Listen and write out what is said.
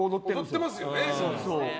やってますよね。